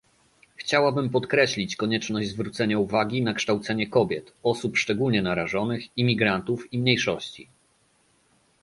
Chciałabym podkreślić konieczność zwrócenia uwagi na kształcenie kobiet, osób szczególnie narażonych, imigrantów i mniejszości